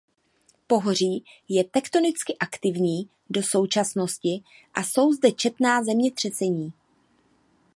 Pohoří je tektonicky aktivní do současnosti a jsou zde četná zemětřesení.